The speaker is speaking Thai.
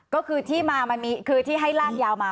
ก็คือที่มามันมีคือที่ให้ร่างยาวมา